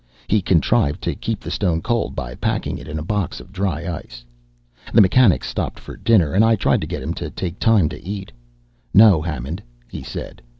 He contrived to keep the stone cold by packing it in a box of dry ice. The mechanics stopped for dinner, and I tried to get him to take time to eat. "No, Hammond," he said.